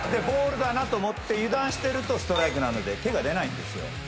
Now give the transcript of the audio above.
ボールだなと思って油断してるとストライクなので手が出ないんですよ。